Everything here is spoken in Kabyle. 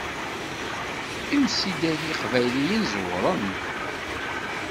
Imsidag iqbayliyen ẓewren.